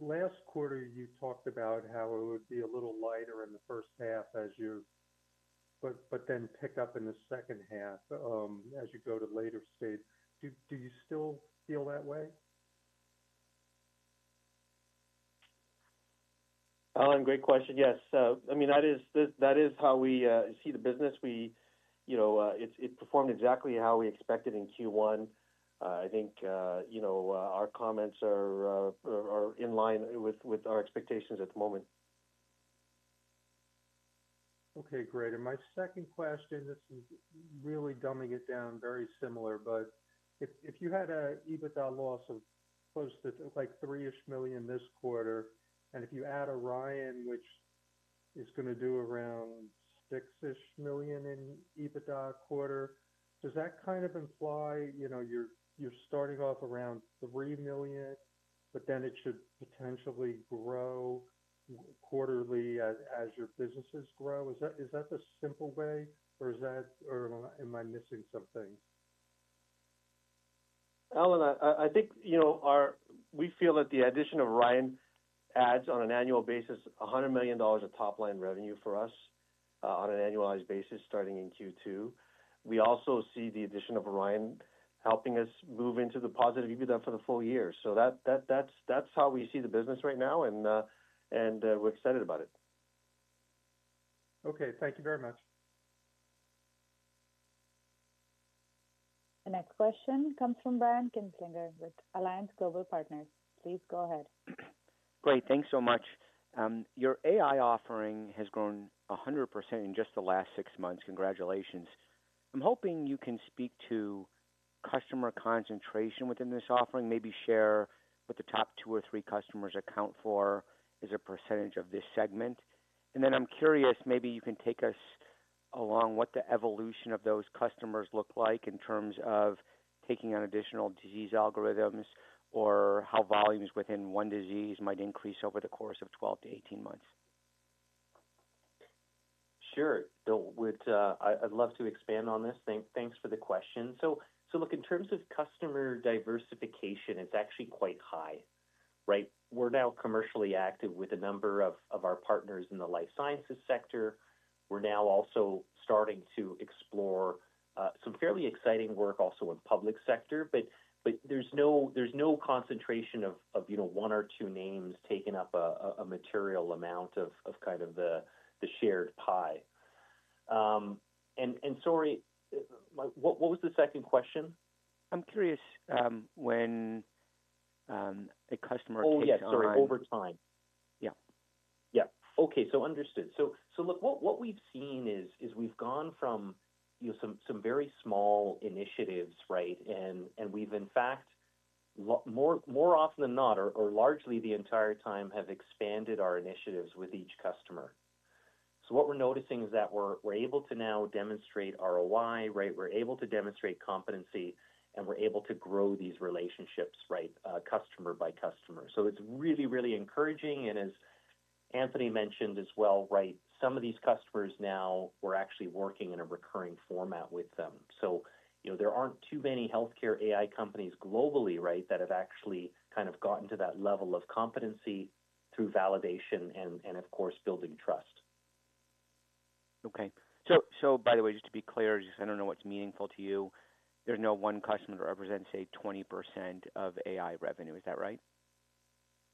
S8: last quarter, you talked about how it would be a little lighter in the first half, but then pick up in the second half as you go to later stage. Do you still feel that way?
S3: Great question. Yes. I mean, that is how we see the business. It performed exactly how we expected in Q1. I think our comments are in line with our expectations at the moment.
S8: Okay. Great. My second question, this is really dumbing it down, very similar, but if you had an EBITDA loss of close to 3 million this quarter, and if you add Orion, which is going to do around 6 million in EBITDA a quarter, does that kind of imply you're starting off around 3 million, but then it should potentially grow quarterly as your businesses grow? Is that the simple way, or am I missing something?
S3: Alan, I think we feel that the addition of Orion adds on an annual basis 100 million dollars of top-line revenue for us on an annualized basis starting in Q2. We also see the addition of Orion helping us move into the positive EBITDA for the full year. That's how we see the business right now, and we're excited about it.
S8: Okay. Thank you very much.
S1: The next question comes from Brian Kinstlinger with Alliance Global Partners. Please go ahead.
S9: Great. Thanks so much. Your AI offering has grown 100% in just the last six months. Congratulations. I'm hoping you can speak to customer concentration within this offering, maybe share what the top two or three customers account for as a percentage of this segment. I'm curious, maybe you can take us along what the evolution of those customers look like in terms of taking on additional disease algorithms or how volumes within one disease might increase over the course of 12 to 18 months.
S3: Sure. I'd love to expand on this. Thanks for the question. In terms of customer diversification, it's actually quite high. We're now commercially active with a number of our partners in the life sciences sector. We're now also starting to explore some fairly exciting work also in the public sector, but there's no concentration of one or two names taking up a material amount of kind of the shared pie. Sorry, what was the second question?
S9: I'm curious when a customer takes over.
S3: Oh, yeah. Sorry. Over time.
S9: Yeah.
S3: Yeah. Okay. Understood. Look, what we've seen is we've gone from some very small initiatives, and we've, in fact, more often than not, or largely the entire time, have expanded our initiatives with each customer. What we're noticing is that we're able to now demonstrate ROI, we're able to demonstrate competency, and we're able to grow these relationships customer by customer. It's really, really encouraging. As Anthony mentioned as well, some of these customers now, we're actually working in a recurring format with them. There aren't too many healthcare AI companies globally that have actually kind of gotten to that level of competency through validation and, of course, building trust.
S9: Okay. By the way, just to be clear, I don't know what's meaningful to you. There's no one customer that represents, say, 20% of AI revenue. Is that right?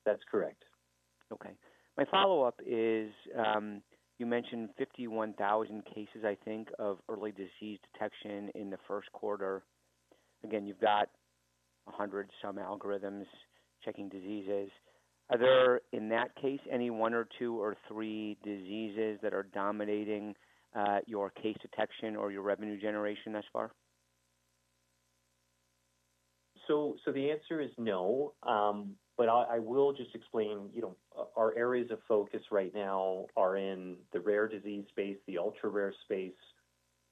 S3: That's correct.
S9: Okay. My follow-up is you mentioned 51,000 cases, I think, of early disease detection in the first quarter. Again, you've got 100-some algorithms checking diseases. Are there, in that case, any one or two or three diseases that are dominating your case detection or your revenue generation thus far?
S3: The answer is no, but I will just explain our areas of focus right now are in the rare disease space, the ultra-rare space,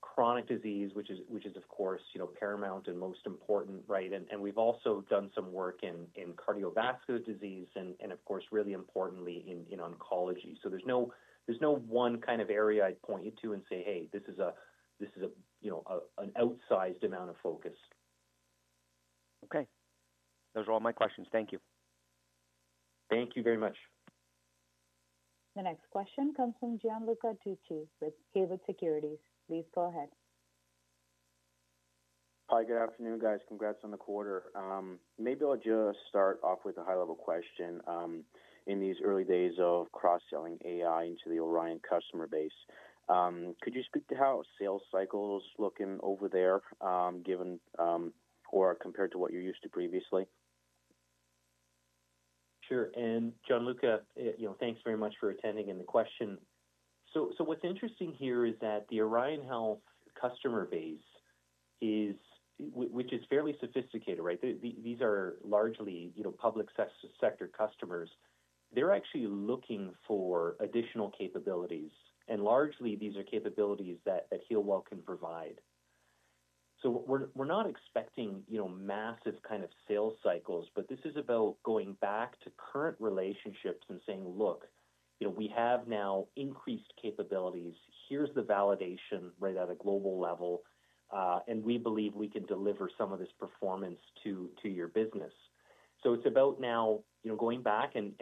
S3: chronic disease, which is, of course, paramount and most important. We've also done some work in cardiovascular disease and, of course, really importantly, in oncology. There's no one kind of area I'd point you to and say, "Hey, this is an outsized amount of focus."
S9: Okay. Those are all my questions. Thank you.
S3: Thank you very much.
S1: The next question comes from Gianluca Tucci with Haywood Securities. Please go ahead.
S10: Hi. Good afternoon, guys. Congrats on the quarter. Maybe I'll just start off with a high-level question. In these early days of cross-selling AI into the Orion Health customer base, could you speak to how sales cycles are looking over there or compared to what you're used to previously?
S3: Sure. Gianluca, thanks very much for attending and the question. What's interesting here is that the Orion Health customer base, which is fairly sophisticated, these are largely public sector customers, they're actually looking for additional capabilities. Largely, these are capabilities that Healwell can provide. We are not expecting massive kind of sales cycles, but this is about going back to current relationships and saying, "Look, we have now increased capabilities. Here is the validation at a global level, and we believe we can deliver some of this performance to your business." It is about now going back and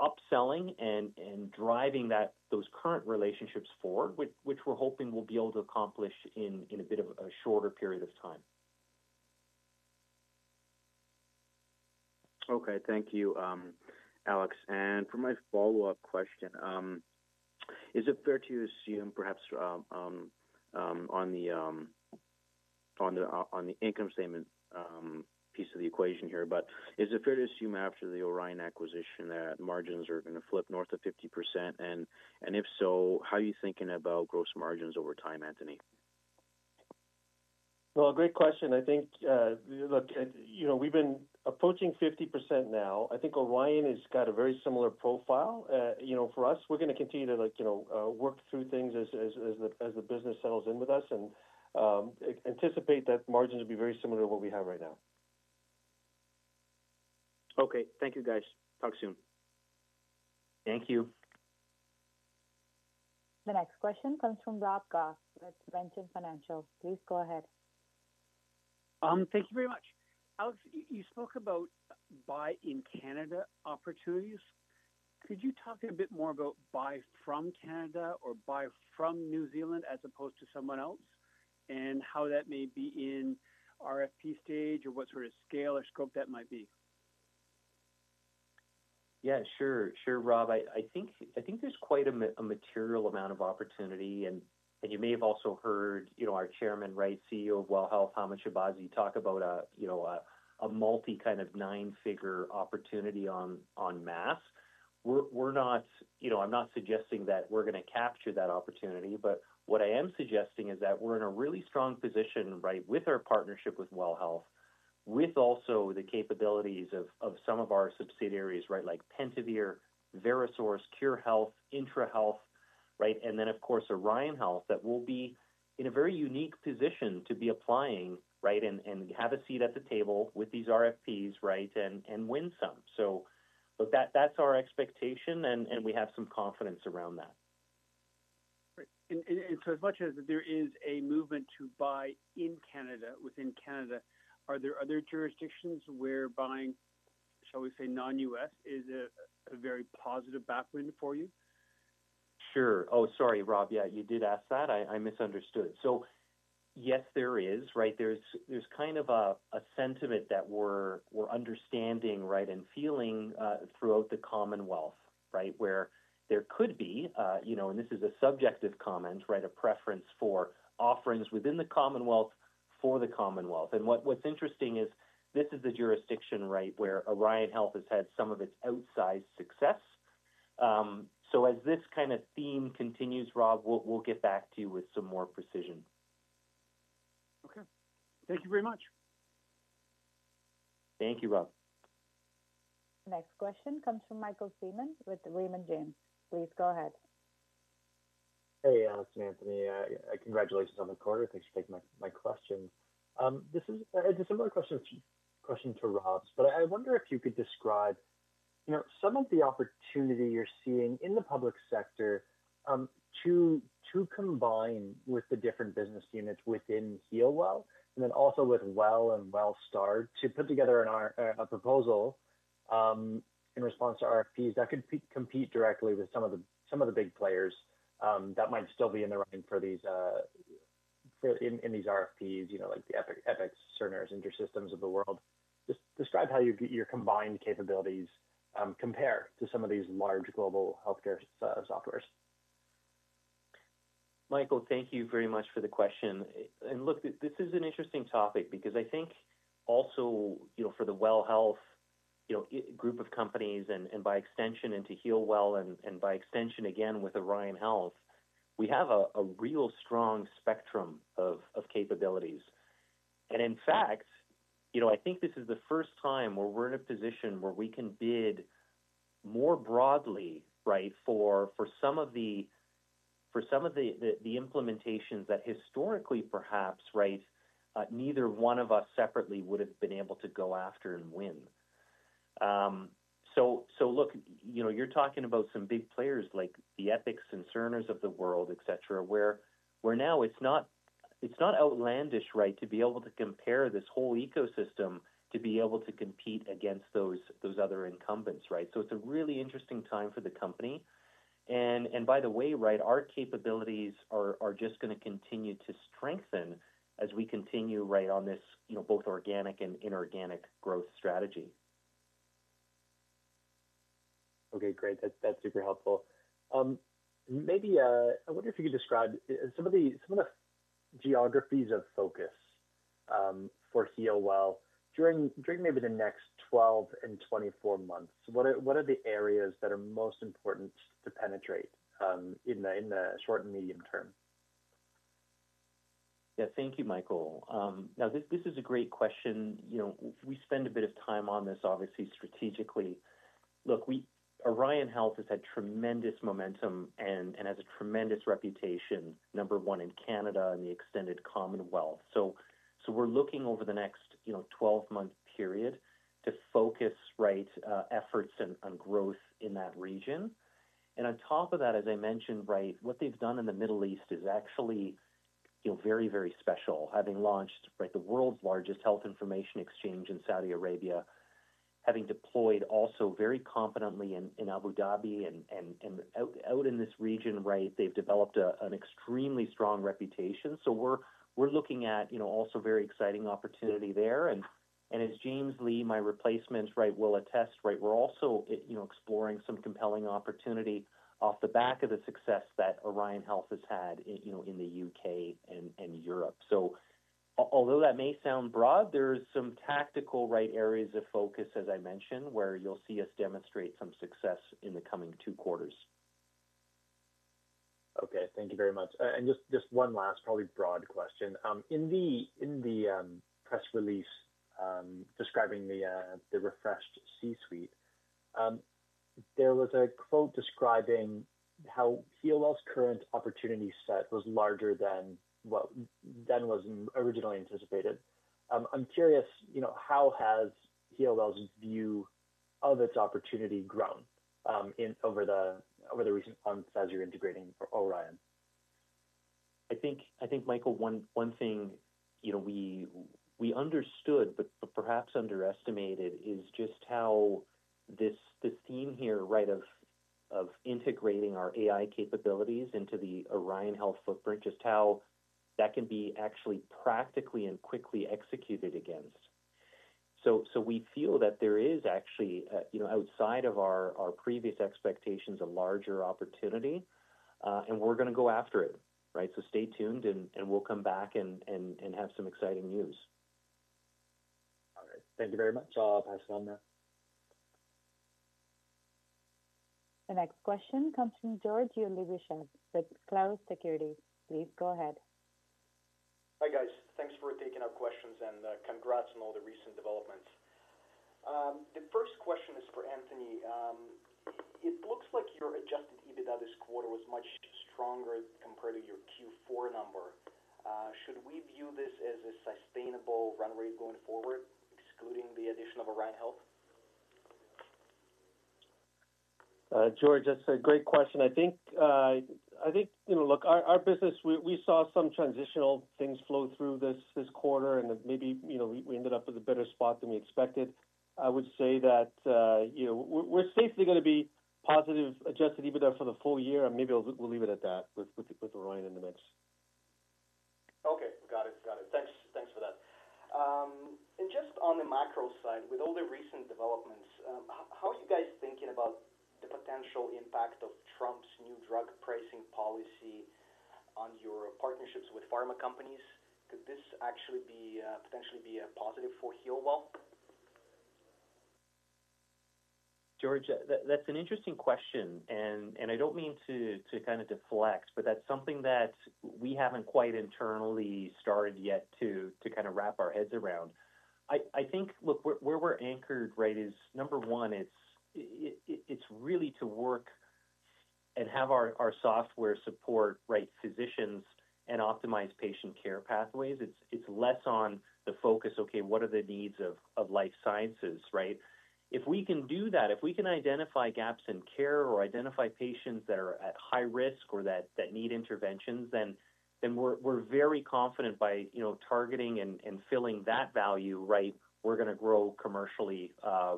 S3: upselling and driving those current relationships forward, which we are hoping we will be able to accomplish in a bit of a shorter period of time.
S10: Thank you, Alex. For my follow-up question, is it fair to assume, perhaps on the income statement piece of the equation here, but is it fair to assume after the Orion acquisition that margins are going to flip north of 50%? If so, how are you thinking about gross margins over time, Anthony?
S4: Great question. I think, look, we've been approaching 50% now. I think Orion has got a very similar profile. For us, we're going to continue to work through things as the business settles in with us and anticipate that margins will be very similar to what we have right now.
S10: Okay. Thank you, guys. Talk soon.
S3: Thank you.
S1: The next question comes from Rob Goss with Ventum Financial. Please go ahead.
S11: Thank you very much. Alex, you spoke about buy-in-Canada opportunities. Could you talk a bit more about buy-from-Canada or buy-from-New Zealand as opposed to someone else and how that may be in RFP stage or what sort of scale or scope that might be?
S3: Yeah. Sure. Sure, Rob. I think there's quite a material amount of opportunity. And you may have also heard our Chairman, CEO of WELL Health Technologies, Hamid Shabazi, talk about a multi-kind of nine-figure opportunity en masse. I'm not suggesting that we're going to capture that opportunity, but what I am suggesting is that we're in a really strong position with our partnership with WELL Health, with also the capabilities of some of our subsidiaries like Pentavere, Verisource, Cure Health, IntraHealth, and then, of course, Orion Health that will be in a very unique position to be applying and have a seat at the table with these RFPs and win some. That is our expectation, and we have some confidence around that.
S11: As much as there is a movement to buy-in-Canada within Canada, are there other jurisdictions where buying, shall we say, non-U.S., is a very positive backwind for you?
S3: Sure. Oh, sorry, Rob. Yeah, you did ask that. I misunderstood. Yes, there is. There's kind of a sentiment that we're understanding and feeling throughout the Commonwealth where there could be—and this is a subjective comment—a preference for offerings within the Commonwealth for the Commonwealth. What's interesting is this is the jurisdiction where Orion Health has had some of its outsized success. As this kind of theme continues, Rob, we'll get back to you with some more precision.
S11: Okay. Thank you very much.
S3: Thank you, Rob.
S1: The next question comes from Michael Seaman with Raymond James. Please go ahead.
S12: Hey, Alex and Anthony. Congratulations on the quarter. Thanks for taking my question. This is a similar question to Rob's, but I wonder if you could describe some of the opportunity you're seeing in the public sector to combine with the different business units within Healwell and then also with WELL and WELLstar to put together a proposal in response to RFPs that could compete directly with some of the big players that might still be in the running in these RFPs, like the Epic, Cerner, and IntraSystems of the world. Just describe how your combined capabilities compare to some of these large global healthcare softwares.
S11: Michael, thank you very much for the question. This is an interesting topic because I think also for the WELL Health group of companies and by extension into Healwell and by extension again with Orion Health, we have a real strong spectrum of capabilities. In fact, I think this is the first time where we're in a position where we can bid more broadly for some of the implementations that historically, perhaps, neither one of us separately would have been able to go after and win. Look, you're talking about some big players like the Epics and Cerners of the world, etc., where now it's not outlandish to be able to compare this whole ecosystem to be able to compete against those other incumbents. It's a really interesting time for the company. By the way, our capabilities are just going to continue to strengthen as we continue on this both organic and inorganic growth strategy.
S12: Okay. Great. That's super helpful. Maybe I wonder if you could describe some of the geographies of focus for Healwell during maybe the next 12 and 24 months. What are the areas that are most important to penetrate in the short and medium term?
S11: Yeah. Thank you, Michael. Now, this is a great question. We spend a bit of time on this, obviously, strategically. Look, Orion Health has had tremendous momentum and has a tremendous reputation, number one in Canada and the extended Commonwealth. We are looking over the next 12-month period to focus efforts on growth in that region. On top of that, as I mentioned, what they have done in the Middle East is actually very, very special, having launched the world's largest health information exchange in Saudi Arabia, having deployed also very competently in Abu Dhabi and out in this region, they have developed an extremely strong reputation. We are looking at also a very exciting opportunity there. As James Lee, my replacement, will attest, we're also exploring some compelling opportunity off the back of the success that Orion Health has had in the U.K. and Europe. Although that may sound broad, there are some tactical areas of focus, as I mentioned, where you'll see us demonstrate some success in the coming two quarters.
S12: Thank you very much. Just one last probably broad question. In the press release describing the refreshed C-suite, there was a quote describing how Healwell's current opportunity set was larger than was originally anticipated. I'm curious, how has Healwell's view of its opportunity grown over the recent months as you're integrating for Orion?
S11: I think, Michael, one thing we understood but perhaps underestimated is just how this theme here of integrating our AI capabilities into the Orion Health footprint, just how that can be actually practically and quickly executed against. We feel that there is actually, outside of our previous expectations, a larger opportunity, and we're going to go after it. Stay tuned, and we'll come back and have some exciting news.
S12: All right. Thank you very much. I'll pass it on now.
S1: The next question comes from George Yurlybishev with Cloud Security. Please go ahead.
S13: Hi, guys. Thanks for taking our questions and congrats on all the recent developments. The first question is for Anthony. It looks like your adjusted EBITDA this quarter was much stronger compared to your Q4 number. Should we view this as a sustainable run rate going forward, excluding the addition of Orion Health?
S4: George, that's a great question. I think, look, our business, we saw some transitional things flow through this quarter, and maybe we ended up in a better spot than we expected. I would say that we're safely going to be positive adjusted EBITDA for the full year, and maybe we'll leave it at that with Orion in the mix.
S13: Okay. Got it. Got it. Thanks for that. Just on the macro side, with all the recent developments, how are you guys thinking about the potential impact of Trump's new drug pricing policy on your partnerships with pharma companies? Could this actually potentially be a positive for Healwell?
S3: George, that's an interesting question, and I don't mean to kind of deflect, but that's something that we haven't quite internally started yet to kind of wrap our heads around. I think, look, where we're anchored is, number one, it's really to work and have our software support physicians and optimize patient care pathways. It's less on the focus, okay, what are the needs of life sciences? If we can do that, if we can identify gaps in care or identify patients that are at high risk or that need interventions, then we're very confident by targeting and filling that value, we're going to grow commercially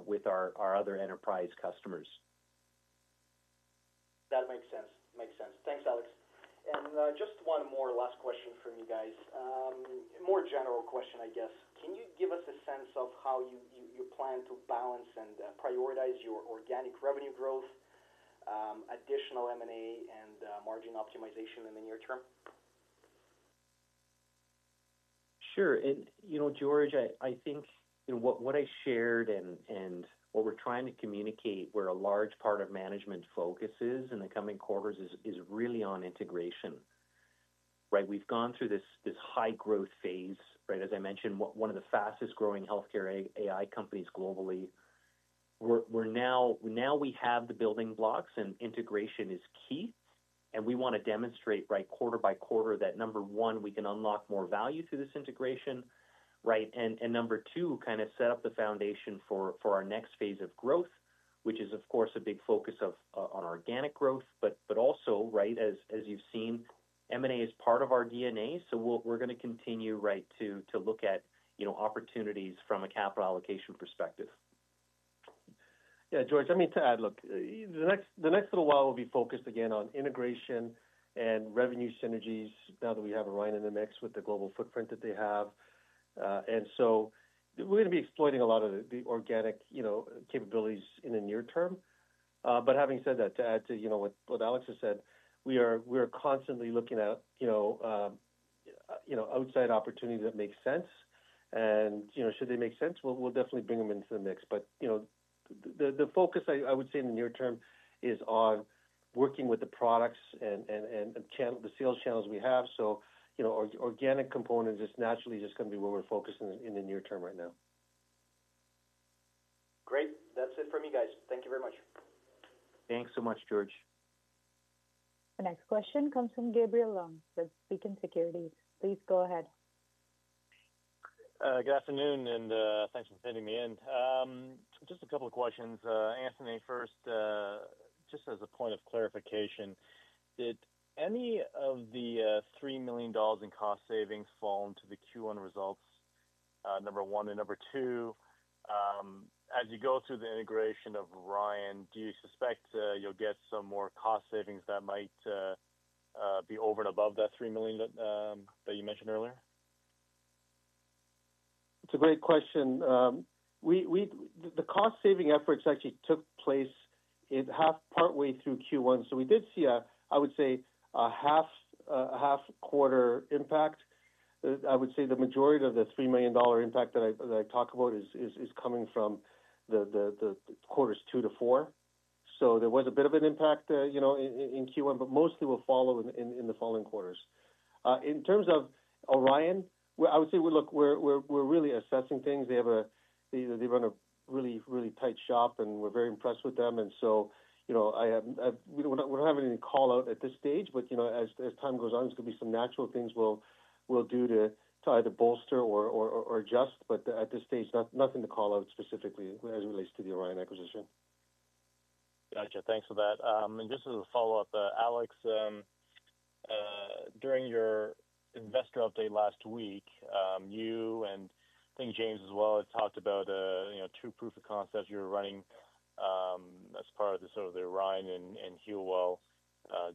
S3: with our other enterprise customers.
S13: That makes sense. Makes sense. Thanks, Alex. Just one more last question from you guys. More general question, I guess. Can you give us a sense of how you plan to balance and prioritize your organic revenue growth, additional M&A, and margin optimization in the near term?
S3: Sure. George, I think what I shared and what we're trying to communicate, where a large part of management focus is in the coming quarters, is really on integration. We've gone through this high-growth phase. As I mentioned, one of the fastest-growing healthcare AI companies globally. Now we have the building blocks, and integration is key. We want to demonstrate quarter by quarter that, number one, we can unlock more value through this integration. Number two, kind of set up the foundation for our next phase of growth, which is, of course, a big focus on organic growth. Also, as you have seen, M&A is part of our DNA. We are going to continue to look at opportunities from a capital allocation perspective.
S4: Yeah. George, I mean to add, look, the next little while we will be focused again on integration and revenue synergies now that we have Orion in the mix with the global footprint that they have. We are going to be exploiting a lot of the organic capabilities in the near term. Having said that, to add to what Alex has said, we are constantly looking at outside opportunities that make sense. Should they make sense, we'll definitely bring them into the mix. The focus, I would say, in the near term is on working with the products and the sales channels we have. Organic components is naturally just going to be where we're focusing in the near term right now.
S13: Great. That's it from you guys. Thank you very much.
S3: Thanks so much, George.
S1: The next question comes from Gabriel Long with Beacon Securities. Please go ahead.
S14: Good afternoon, and thanks for sending me in. Just a couple of questions. Anthony, first, just as a point of clarification, did any of the 3 million dollars in cost savings fall into the Q1 results, number one? And number two, as you go through the integration of Orion, do you suspect you'll get some more cost savings that might be over and above that 3 million that you mentioned earlier?
S4: It's a great question. The cost-saving efforts actually took place partway through Q1. So we did see, I would say, a half-quarter impact. I would say the majority of the 3 million dollar impact that I talk about is coming from the quarters two to four. There was a bit of an impact in Q1, but mostly will follow in the following quarters. In terms of Orion, I would say, look, we're really assessing things. They run a really, really tight shop, and we're very impressed with them. We don't have anything to call out at this stage. As time goes on, there's going to be some natural things we'll do to either bolster or adjust. At this stage, nothing to call out specifically as it relates to the Orion acquisition.
S14: Gotcha. Thanks for that. Just as a follow-up, Alex, during your investor update last week, you and I think James as well had talked about two proof of concepts you are running as part of the sort of the Orion and Healwell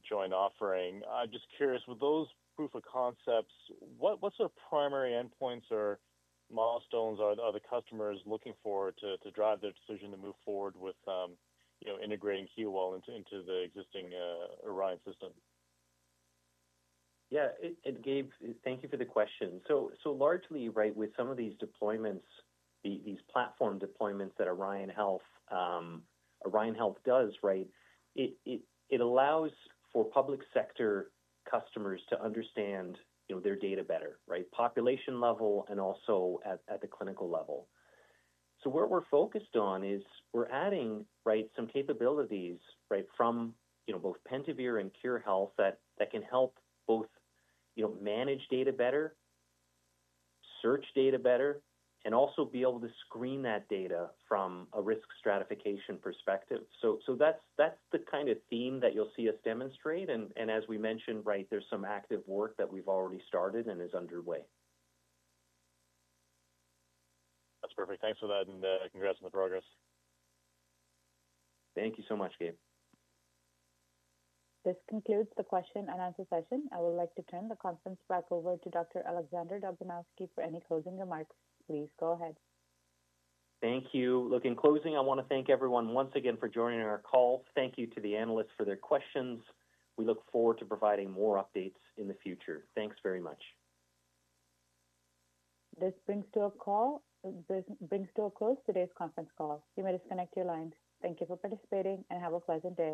S14: joint offering. I am just curious, with those proof of concepts, what sort of primary endpoints or milestones are the customers looking for to drive their decision to move forward with integrating Healwell into the existing Orion system?
S3: Yeah. Thank you for the question. Largely, with some of these deployments, these platform deployments that Orion Health does, it allows for public sector customers to understand their data better, population level and also at the clinical level. Where we're focused is we're adding some capabilities from both Pentavere and Cure Health that can help both manage data better, search data better, and also be able to screen that data from a risk stratification perspective. That is the kind of theme that you'll see us demonstrate. As we mentioned, there's some active work that we've already started and is underway.
S14: That's perfect. Thanks for that, and congrats on the progress.
S3: Thank you so much, Gabe.
S1: This concludes the question and answer session. I would like to turn the conference back over to Dr. Alexander Dobranowski for any closing remarks. Please go ahead.
S3: Thank you. In closing, I want to thank everyone once again for joining our call. Thank you to the analysts for their questions. We look forward to providing more updates in the future. Thanks very much.
S1: This brings to a close today's conference call. You may disconnect your lines. Thank you for participating, and have a pleasant day.